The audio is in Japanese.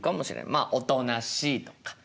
まあおとなしいとか。